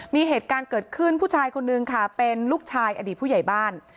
มีเหตุการณ์เกิดขึ้นผู้ชายคนนึงค่ะเป็นลูกชายอดีตผู้ใหญ่บ้าน